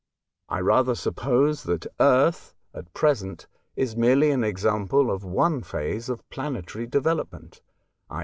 I rather suppose that Earth at Prpface, ix present is merely an example of one phase of planetary development, i.